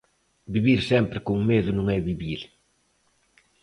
Vivir sempre con medo non é vivir.